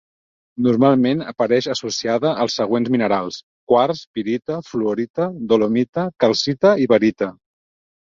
Normalment apareix associada als següents minerals: quars, pirita, fluorita, dolomita, calcita i barita.